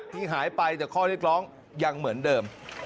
ที่หายไปแต่ข้อเรียกร้องยังเหมือนเดิม